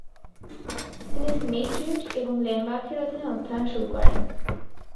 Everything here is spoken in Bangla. তিনি স্মিড-রিউট এবং লেনবাখের অধীনে অধ্যয়ন শুরু করেন।